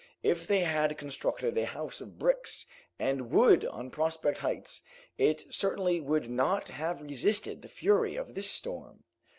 If they had constructed a house of bricks and wood on Prospect Heights, it certainly would not have resisted the fury of this storm.